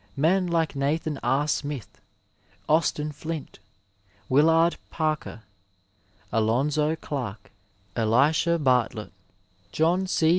Men like Nathan R. Smith, Austin Flint, Willard Parker, Alon zo Clark, Elisha Bartlett, John C.